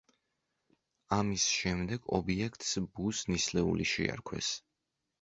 ამის შემდეგ, ობიექტს ბუს ნისლეული შეარქვეს.